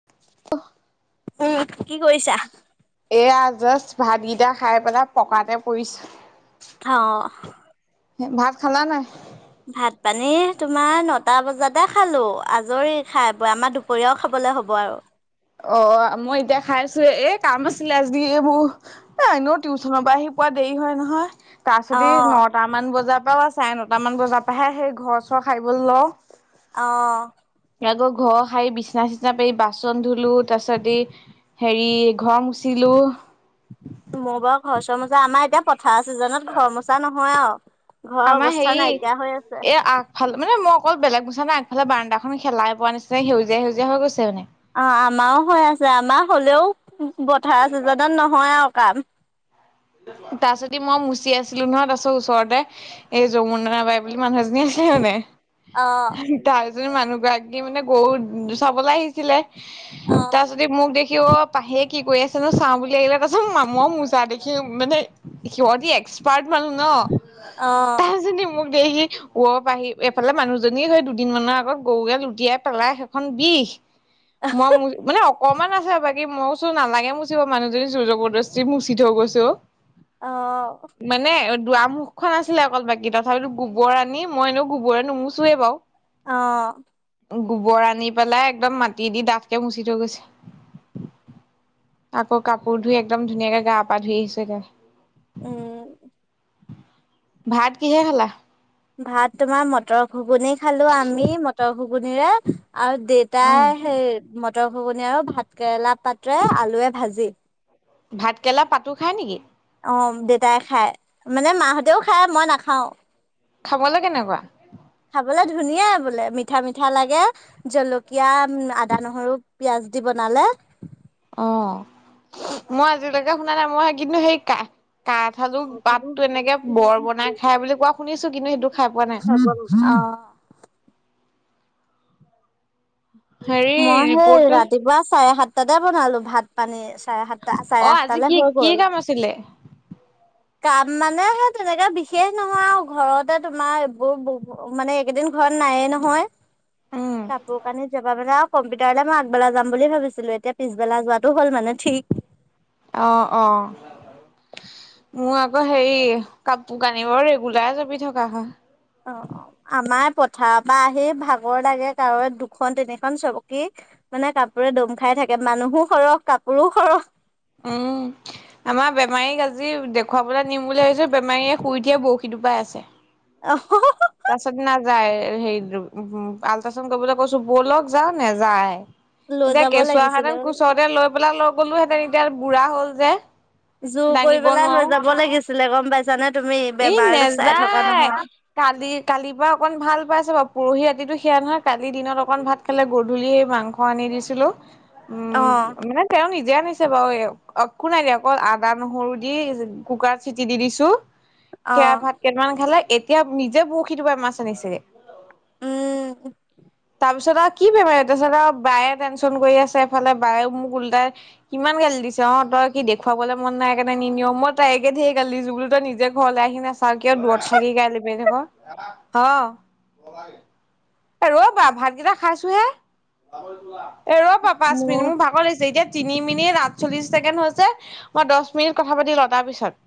[unintelligible] উম, কি কৰিছা? এইয়া জাষ্ট ভাতকিটা খাই পেলাই পকাতে পৰিছো। অ। ভাত খালা নাই? ভাত-পানী তোমাৰ নটা বজাতে খালো। আজৰি খাই-বৈ আমাৰ দুপ পৰীয়াও খাবলে হ'ব আৰু। অ মই এতিয়া খাইছোহে। এ কাম আছিলে আজি এইবোৰ এ এনেও টিউচনৰ পৰা আহি পোৱা দেৰি হয় নহয়। তাক যদি অ', ন টামান বজাৰ পৰাও চাৰে নটাামান বজাৰ পৰাহে সেই ঘৰ চৰ খাইবলে লওঁ। অ। এতিয়া তোৰ ঘৰ সাৰি বিচনা-চিচনা পাৰি বাচন ধু লো তাৰ পাছতি হেৰি ঘৰ মুচিলো। মই বাৰু ঘৰ চৰ মুচা আমাৰ এতিয়া পথাৰ চিজনত ঘৰ মোচা নহয় আৰু ঘৰৰ অৱস্থা নাইকিয়া হৈ আছে। ভাল মানে মই অকল বেলেগ মুছা নাই আগফালে বাৰান্দা হেলাই পোৱা নিচিনা সেউজীয়া সেউজীয়া হৈ গৈছে মানে। অহ, আমাৰো হৈ আছে। আমাৰ হলেও পথাৰ চিজেনত নহয় আৰু কাম। তাৰছদি মই মুচি আছিলো নহয়, তাৰছত ওচৰতে এই যৌমুনা বাই বুলি মানুহ এজনী আছিলে মানে অ', তাৰপিছত মানুহ গৰাকী মানে গৰু চাবলে আহিছিলে অ', তাৰপিছত সি মোক দেখি অ পাহিয়ে কি কৰি আছে নো চাওঁ বুলি আহিলে তাৰপিছত মামু মোজা দেখ সি মানে সিহঁতি এক্সপাৰ্ট মানুহ ন? অ', তাই যদি মোক দে কুপা আহি এইফালে মানুহজনী সেই দুদিনমানৰ আগত গৰু গাই উটিয়াই পেলাই সেইখন বিষ। মই মুই মানে অকমান আছে বাকী মই কৈছো নালাগে মুচিব। মানুহজনী জোৰ জবৰদস্তি মুচি থৈ গৈছে অ। অহ। মানে দুৱাৰ মুখখন আছিলে অকল বাকী দখৰ গোবৰ আনি মইনো গোবৰে নুমোচোয়ে বাৰু অহ। গোবৰ আনি পেলাই একদম মাটি দি ডাঠকে মুচি থৈ গৈছে। আকৌ কাপোৰ ধুই একদম ধুনীয়াকে গা পা ধুই আহিছেগৈ। উম। ভাত কিহে খালা? ভাত তোমাৰ মটৰ ঘুগুনি খালোঁ আমি, মটৰ ঘুগুনিৰে আৰু উম তাই সেই মটৰ ঘুগুনি আৰু ভাত কেৰেলা পাতে আলুৱে ভাজি। ভাতকেৰেলা পাতো খায় নেকি? অহ, দেতাই খায়। মানে মাহঁতেও খায় মই নাখাওঁ। খাবলৈ কেনেকুৱা? খাবলে ধুনীয়াই বোলে। মিঠা মিঠা লাগে। জলকীয়া, আদা, নহৰু পিয়াঁজ দি বনালে। অ মই আজিলৈকে শুনা নাই। মই কিন্তু সেই কা কাঠ আলু পাতটো এনেকে বৰ বনাই খাই বুলি কোৱা শুনিছোঁ। কিন্তু সেইটো খাই পোৱা নাই। অহ হেৰি মই সেই ৰিপৰ্টটো ৰাতিপুৱা চাৰে সাতটাতে বনালো ভাত পানী চাৰে সাত অ আজি কি, কি কাম আছিলে কাম মানে সেই তেনেকে বিশেষ নহয় আৰু ঘৰতে তোমাৰ এইবোৰ বহু মানে এইকেইদিন ঘৰত নায়ে নহয়, উম কাপোৰ কানি জপা মেলা কম্পিউটাৰলৈ মই আগবেলা যাম বুলি ভাবিছিলোঁ। এতিয়া পিছেলা যোৱাটো হল মানে ঠিক অহ অহ। মোৰ আকৌ হেৰি, কাপোৰ কানিবোৰ ৰেগুলাৰ জাপি থকা হয়। অহ অহ, আমাৰ পথাৰৰ পৰা আহি ভাগৰ লাগে কাৰণ দুখন তিনিখন চকি মানে কাপোৰে দম খাই থাকে। মানুহো সৰহ, কাপোৰো সৰহ। উম। আমাৰ বেমাৰীক আজি দেখুৱাবলৈ নিম বুলি ভাবিছোঁ। বেমাৰীয়ে শুই উঠিয়ে বৰশী টুপাই আছে। আহ হ হ তাৰ পিছত নাযায়। হেৰিটো, আল্ট্ৰাচাউড কৰিবলৈ কৈছোঁ। বলক যাওঁ, নেযাই। লৈ এতিয়া যাব লাগিছিলে কেঁচুৱাহেতেন কুচতে লৈ পেলাই লৈ গলোতেন, এতিয়া বুঢ়া হ'ল যে। জোৰ কৰি দাঙিব পেলাই লৈ নোৱাৰো। যাব লাগিছিলে গম পাইছানে তুমি, ই বেমাৰ চাই থকা নেযায়। নহয়। কালি কালিৰ পৰা অকণ ভাল পাইছে বাৰু পৰহি ৰাতিটো সেয়া নহয় কালিৰ দিনত অকণ ভাত সিফালে গধূলি মাংস আনি দিছিলোঁ। উম অ মানে তেওঁ নিজে আনিছে বাৰু একো নাই দিয়া। অকল আদা নহৰু দি কুকাৰত চিটি দি দিছোঁ। অ সেয়া ভাত কেইটামান খালে, এতিয়া নিজে বৰশি টুপাই মাছ আনিছেগে। উম। তাৰপিছত আৰু কি বেমাৰী তাৰপিছত আৰু বায়ে টেনচন কৰি আছে, এফালে বায়ে মোক ওল্টাই কিমান গালি দিছে। অ, তই কি দেখুৱাবলে মন নাই কাৰণে নিনিয়, তাইক একে লেঠাই গালি দিছোঁ। বুলো তই নিজ ঘৰলে আহি নেচায় চাও কিয় দূৰত থাকি গালি পাই থাক? অ এ ৰবা ভাতকেইটা খাইছোহে, এ ৰবা পাঁচ মোৰ মিনিট মোক ভাগৰ লাগিছে এতিয়া তিনি মিনিট আঠচল্লিশ ছেকেণ্ড হৈছে, মই দহ মিনিট কথা পাতি লও তাৰ পিছত।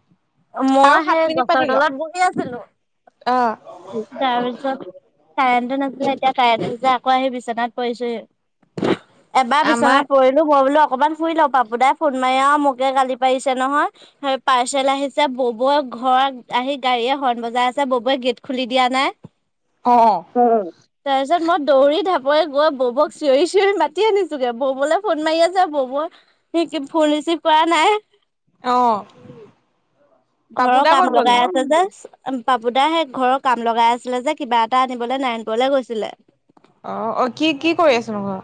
আৰু মই সাত সেই গছৰ তলত বহি আছিলোঁ। অহ তাৰ পিছত কাৰেণ্টটো নাছিলে। এতিয়া কাৰেণ্টটো যে আকৌ আহি বিচনাত পৰিছোহি। এবাৰ আমাৰ বিচনাত পৰি মই বোলো অকমান শুই লওঁ পাপু দাই ফোন মাৰি আৰু মোকে গালি পাৰিছে নহয়। হয় পাৰ্চেল আহিছে বব'ই ঘৰ আহি গাড়ীয়ে হৰ্ণ বজাইআছে, আছে বব'ই গেট খুলি দিয়া নাই। অহ। উম তাৰপিছত মই দৌৰি ঢাপৰি গৈ বৌবক চঞৰি চিঞৰি মাতি আনিছোগে। ববলে ফোন মাৰি আছে বব'ই সি কি ফুন ৰিচিভ কৰা নাই? অহ। উম। ঘৰৰ কাম লগাই আছে যে। পাপু দা সেই ঘৰৰ কাম লগাই আছিলে যে, কিবা এটা আনিবলৈ নাৰায়ণপুৰলৈ গৈছিলে। অ অ কি কি কৰি আছে নো ঘৰ?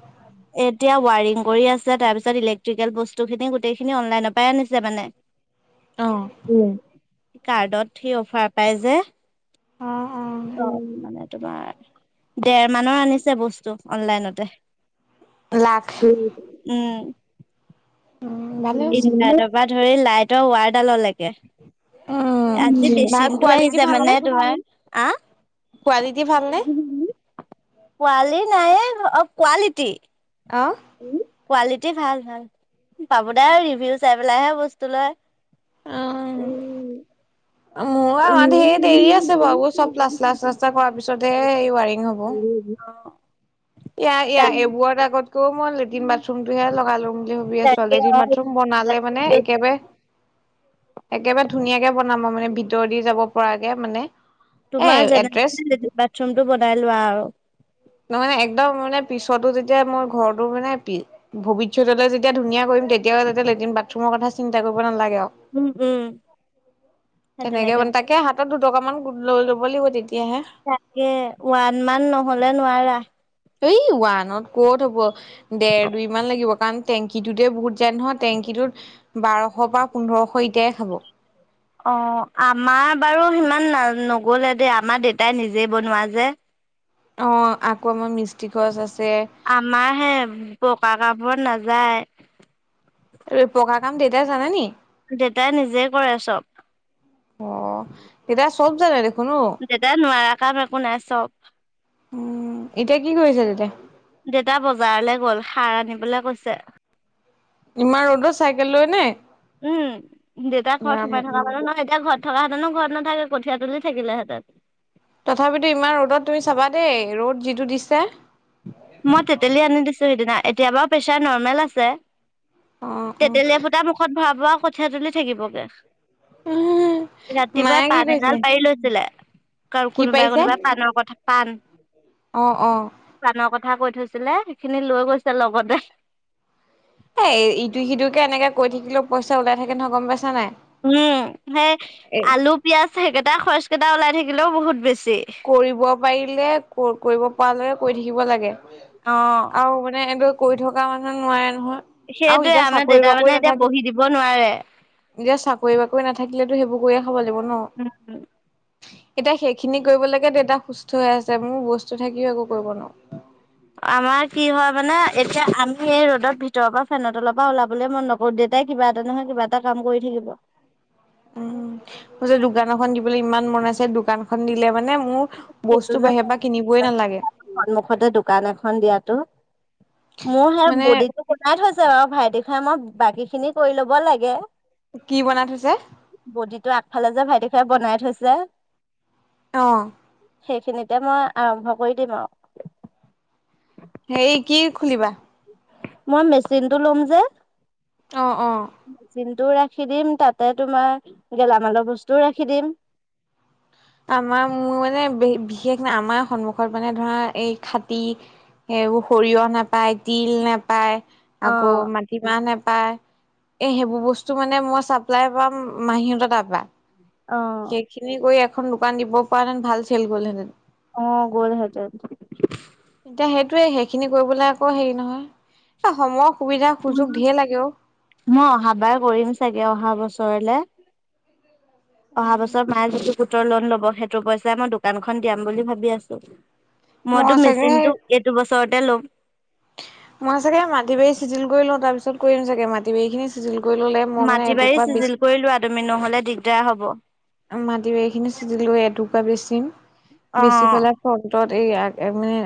এতিয়া ৱায়াৰিং কৰি আছে, তাৰপিছত ইলেক্ট্ৰিকেল বস্তুখিনি গোটেইখিনি অনলাইনৰ পৰাই আনিছে মানে। অহ। উম, কাৰ্টত সি অফাৰ পাই যে। অ মানে তোমাৰ দেৰ মানৰ আনিছে বস্তু অনলাইনতে। লাখ উম,। উম, ভালে হৈছে ইনভাটাৰ পৰা ধৰি লাইটৰ ৱাৰডালৰ লেক কে। উম, আজি ভাল বেচিনটো কোৱালিটি আহিছে মানে ভালনে? তোমাৰ। কোৱালিটি ভালনে আহ পোৱালি নাই, অ কোৱালিটি? অঁহ,। উ কোৱালিটি ভাল, ভাল। পাব দাই ৰিভিউ চাই পেলাই হে বস্তু লয়। [unintelligible] মোৰ উম। আমাৰ সে ধেৰ দেৰি আছে বাৰু চব প্লাষ্টাৰ, শ্লাষ্টাৰ কৰাৰ পিছতহে হ ৱাৰিং হ'ব। উম, অহ। এয়া এয়া এইবোৰ আগতকৈও মই লেট্ৰিন বাথৰুম টোহে লগাই লম ভাবিআছো, ছোৱালি লেটিন-বাথৰুম বনালে মানে একেবাৰে একেবাৰে ধুনীয়াকে বনাম মানে ভিতৰেদি যাব পৰাকে মানে। এ তোমাৰ যেনে এড্ৰেছ তেনে লেটিন বাথৰুমটো বনাই লোৱা আৰু। নহয় মানে একদম মানে পিছতো যেতিয়া মোৰ ঘৰটো মানে পি ভৱিষ্যতলৈ যেতিয়া ধুনীয়া কৰিম, তেতিয়া হে যাতে লেট্ৰিন বাথৰুমৰ কথা চিন্তা কৰিব নালাগে আৰু। উম উম তেনেকে বন তাকে হাত হাত'ত দুটকা মান গোট লৈ ল'ব লাগিব তেতিয়াহে। তাকে ওৱান মান নহলে নোৱাৰা। এই ওৱানত কত হব, দেৰ দুই মান লাগিব কাৰণ, টেংকিটোতে বহুত যায় নহয়। টেংকিটোত বাৰশ বা পোন্ধৰশ এতিয়াই খাব। অঁ আমাৰ বাৰু সিমান নগ'লে দেই। আমাৰ দেউতাই নিজেই বনোৱা যে। অঁ আকৌ আমাৰ মিষ্টি খৰছ আছে। আমাৰ হে বকা কাপোৰ নাযায়। পকা কাম দেটাই জানেনি? দেউতাই নিজে কৰে চব। অ দেতাই চব জানে দেখোন। অ দেতাই নোৱাৰা কাম একো নাই চব, উম এতিয়া কি কৰিছে দেউতাই দেউতা বজাৰলৈ গ'ল সাৰ আনিবলে গৈছে। ইমান ৰ'দত চাইকেল লৈ নে? উম দেউতাৰ ঘৰত ৰাম সোমাই থকা মানুহ নহয়, এতিয়া ঘৰত থকা হেঁতেনো ঘৰত নাথাকে, কঠীয়া তুলি থাকিলেঁতেন। তথাপিতো ইমান ৰ'দত তুমি চাবা দেই, ৰ'দ যিটো দিছে। মই তেতেলী আনি দিছো সিদিনা, এতিয়া বাৰু প্ৰেছাৰ নৰ্মেল আছে। অ অ তেতেলীয়া এফুটা মুখত ভৰা ব আৰু কঠীয়া তোলি থাকিবগে। ৰাতিপুৱা মায়ে কি পাণ কৈছে এডাল পাৰি লৈছিলে কাৰ কি কোনোবাই পাৰিছে কোনোবা পাণৰ কথা পান। অ - অ, পাণৰ কথা কৈ থৈছিলে সেইখিনি লৈ গৈছে লগতে। এ ইটো সিটো কে এনেকে কৈ থাকিলো পইচা ওলাই থাকে নহয় গম পাইছা নাই। উম সেই এ আলু পিয়াজ সেইকেইটা খৰচ কেইটা ওলাই থাকিলেও বহুত বেছি। কৰিব পাৰিলে কৰিব পৰালৈকে কৰি থাকিব লাগে। অ আৰু মানে এটো কৰি থকা মানুহে নোৱাৰে নহয়। আৰু সেইটোয়ে এতিয়া আমাৰ চাকৰি দেতা বাকৰি মানে এতিয়া নাথাকে বহি দিব নোৱাৰে। এতিয়া চাকৰি বাকৰি নাথাকিলেতো সেইবোৰ কৰিয়ে খাব লাগিব ন। এতিয়া সেইখিনি কৰিবলৈকে দেউতা সুস্থ হৈ আছে মোৰ বস্তু থাকিও একো কৰিব নোৱাৰো। আমাৰ কি হয় মানে এতিয়া আমি এই ৰ'দত ভিতৰৰ পৰা ফেনত তলৰ পৰা ওলাবলৈ মন নকো ব দেতাই কিবা এটা নহয় কিবা এটা কাম কৰি থাকিব। উ মোৰ যে দোকান এখন দিবলৈ ইমান মন আছে দোকানখন দিলে মানে মো সেইটো বস্তু যে বাহিৰ পৰা কিনিবই নালাগে। সন্মুখতে দোকান এখন দিয়াতো মোৰ সেই মানে বডিটো গলাই থৈছে। ছে বাৰু ভাইটি খাই মই বাকী খিনি কৰি ল'ব লাগে। কি বনাই থৈছে বডিটো আগফালে যে ভাইটি খুৰাই বনাই থৈছে৷ অ। সেইখিনিতে মই আৰম্ভ কৰি দিম আৰু৷ সেই কি খোলিবা? মই মেচিনতটো ল'ম যে। অ-অ, মেচিনটোও ৰাখি দিম তাতে তোমাৰ গেলামালৰ বস্তুও ৰাখি দিম। আমাৰ মোৰ মানে বিশেষ ন আমাৰ সন্মুখত মানে ধৰা এই খাটি সেইবোৰ সৰিয়হ নাপায় তিল নাপায় অ আকৌ মাত টিমাহ নেপায় এ সেইবোৰ বস্তু মানে মই চাপ্লাই পাম মাহী হতৰ তাৰপা। অ, সেইখিনি কৰি এখন দোকান দিব পৰা হেঁতেন ভাল চেল গল হেতেন। অ গোল হয় যায়। এতিয়া সেইটোয়ে সেইখিনি কৰিবলৈ আকৌ হেৰি নহয় এ সময়ৰ সুবিধা সুযোগ ধেই লাগে অ। মই অহা বাৰ কৰিম চাগে অহা বছৰলে৷ অহা বছৰ মায়ে যিটো গোটৰ লোন লব সেইটো পইচাই মই দোকানখন দিয়াম বুলি ভাবি আছো৷ মইতো মই চাগে সেই মেচিনতটো এইটো বছৰতে ল'ম৷ মই চাগে মাটি বাৰী চিজিল কৰি লওঁ তাৰ পিছত কৰিম চাগে মা মাটিবাৰী খিনি চিজিল কৰি ল'লে মই মানে মাটি বাৰী এটকুৰা চিজিল বেচি কৰি লোৱা তুমি নহ'লে দিগদাৰ হ'ব৷ মাটি বাৰী খিনি চিজিল কৰি এটুকুৰা বেচিম বেছি অ', পেলাই ফ্ৰন্টত এই [unintelligible] মানে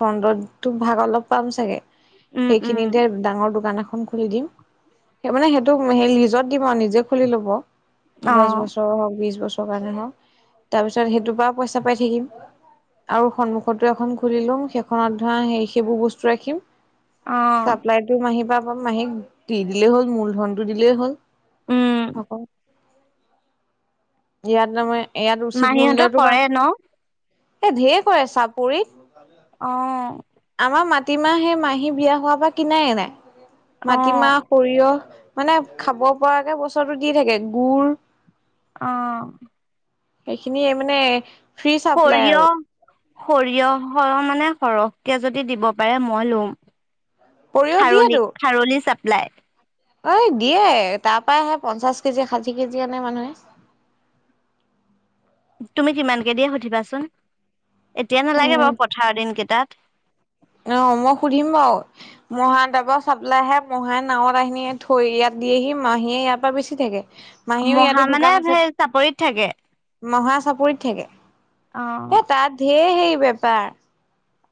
ফ্ৰন্টত তোক ভাগ অলপ পাম চাগে উম, উম, সেইখিনিত তে ডাঙৰ দোকান এখন খুলি দিম। সেই মানে সেইটোক সেই লিজত দিব নিজে খুলি লব দছ অ', বছৰ হ'ক বিছ বছৰ কাৰণে হও তাৰ পিছত সেইটোৰ পা পইচা পাই থাকিম। আৰু সন্মুখৰতো এখন খুলি লম সেইখনত ধৰা সেই সেইবোৰ বস্তু ৰাখিম। অ', চাপ্লাই টো মাহীৰ পৰা পাম মাহীক দি দিলেই হ'ল মূলধনতটো দিলেই উম। হ'ল৷ আকৌ [unintelligible] ইয়াত তাৰমানে ইয়াত উচিত মাহীহঁতৰ মূল্যটো পাম কৰে ন? এ ঢেৰ কৰে চাপৰিত৷ অ আমাৰ মাটিমাহ সেই মাহী বিয়া হোৱাৰ পৰা কিনাই এ নাই অ', মাটিমাহ সৰিয়হ মানে খাব পৰাকে বছৰটো দি থাকে গুৰ অ', সেইখিনিয়ে মানে ফ্ৰী চাপ্লাই আৰু সৰিয়হ- সৰিয়হৰ মানে সৰহকে যদি দিব পাৰে মই লোঁম। সৰিয়হ খাৰলি - খাৰলি চাপ্লাই। অই, দিয়ে তাৰ পা আহে পঞ্চাশ কেজি, ষাঠি কেজি আনে মানুহে। তুমি কিমানকে দিয়ে সুধিবাচোন এতিয়া নালাগে উম বাৰু পথাৰৰ দিন কেইটা অ, মই সুধিম বাওঁ। মহান তাৰপা চাপলাইহে মহান নাৱত আহিনি থৈ ইয়াত দিয়েহি মাহীয়ে ইয়াৰ পা বেচি থাকে। মাহীও মহা ইয়াতো মানে দোকান আছে সেই চাপৰিত থাকে। মহা চাপৰিত থাকে। অ', এ তাত ঢেৰ হেই বেপাৰ,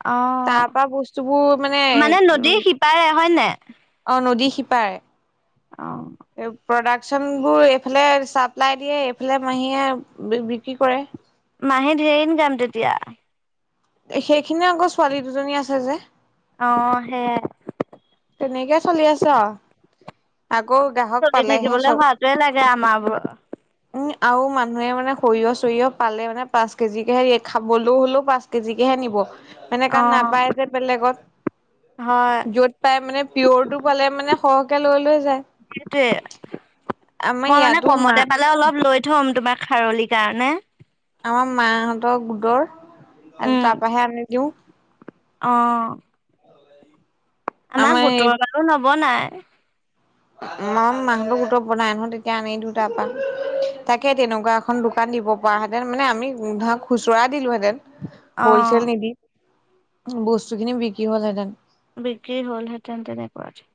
অ', পোৱা বস্তুবোৰ মানে উ তাৰে হয়নে? অ, নদী সিপাৰে। অ', এই প্ৰডাকশ্যনবোৰ এইফালে ছাপ্লাই দিয়ে এইফালে মাহীয়ে বিক্ৰী কৰে। মাহী ধেৰ ইনকাম তেতিয়া। এ সেইখিনি আকৌ ছোৱালী দুজনী আছে যে। অ, সেয়াই। তেনেকে চলি আছোঁ আও। আকৌ গ্ৰাহক চলি পালেহে থাকিবলৈ চব হোৱাটোৱে লাগে আমাৰবোৰৰ উম, আৰু মানুহে মানে সৰিয়হ -চৰিয়হ পালে মানে পাঁচ কেজিকে হে দিয়ে খাবলৈও হ'লেও পাঁচ কেজিকেহে নিব সেনেকা অ', নাপায় যে হয় বেলেগত য'ত প্ৰাই মানে পিয়ৰ টো পালে মানে সৰহকে লৈ- লৈ যায়। সেটোৱে আমাৰ মই মানে ইয়াতো মা কমতে পালে অলপ লৈ থ'ম তোমাৰ খাৰলি কাৰণে। আমাৰ মাহঁতৰ গোদৰ [unintelligible] উম, তাৰপাহে আনি দিওঁ। অ', আমাৰ গোটৰ বাৰো নব নাই। মই মাংস [unintelligible] বনাই আনো তেতিয়া আনি দিও তাৰ পা। তাকে তেনেকুৱা এখন দোকান দিব পৰা হেতেন মানে আমি ধৰক খুচুৰা দিলোঁহেতেন। হ'লচেল অ', নিদি বস্তুখিনি বিক্ৰী হ'লহেতেন। বিক্ৰী হ'লহেঁতেন তেনেকুৱাতে।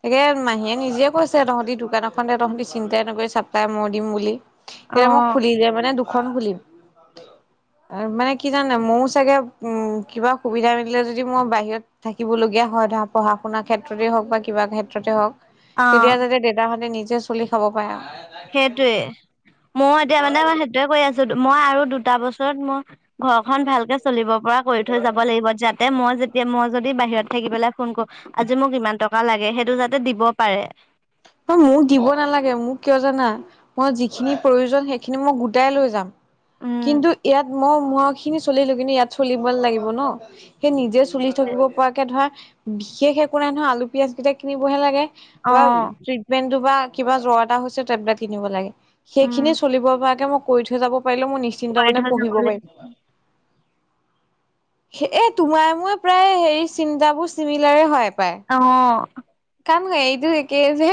তাকে মাহীয়ে নিজে কৈছে তহঁতি দোকান এখন দে তহঁতি চিন্তাই নকৰবি চাপলাই মই দিম বুলি। এতিয়া মই অ', খুলিলে মানে দুখন খুলিম। মানে কি জানে ময়ো চাগে উম কিবা সুবিধা মিলিলে যদি মই বাহিৰত থাকিবলগীয়া হয় ধৰা পঢ়া- শুনাৰ ক্ষেত্ৰতেই হওক বা কিবা ক্ষেত্ৰতে হওঁক তেতিয়া অ', যাতে দেউতাহঁতে নিজে চলি খাব পাৰা। সেইটোৱে মই এতিয়া মানেই সেইটোয়ে কৈ আছো মই আৰু দুটা বছৰত মই ঘৰখন ভালকে চলিব পৰা কৰি থৈ যাব লাগিব যাতে মই যেতিয়া মই যদি বাহিৰত থাকি পেলাই ফোন কৌ আজি মোক ইমান টকা লাগে সেইটো যাতে দিব পাৰে অ মোক দিব নালাগে মোক কিয় জানা মই যিখিনি প্ৰয়োজন সেইখিনি মই গোটাই লৈ যাম উম কিন্তু ইয়াত মই ম খিনি চলিলো কিন্তু ইয়াত চলিব লাগিব ন, সেই নিজে চলি থাকিব পৰাকে ধৰ বিশেষ একো নাই নহয় আলু, পিয়াজ কেইটা কিনিবহে লাগে অ বা টিপমেণ্টতু পা কিবা জৰ এটা হৈছে টেবলেট কিনিব লাগে। উম সেইখিনিয়ে চলিব পৰাকে মই কৰি থৈ যাব পাৰিলো মই নিশ্চিন্ত কৰি মানে থৈ যাব পঢ়িব পাৰিম লাগিব [inaudible] এ তোমাৰ মই প্ৰায় হে চিন্তাবোৰ চিমিলাৰে হয় পায় অ কান ক এইটো একেই যে